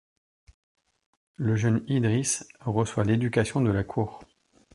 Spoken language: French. Le jeune Idris reçoit l'éducation de la cour.